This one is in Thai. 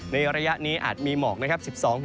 ในระยะนี้อาจมีหมอกนะครับ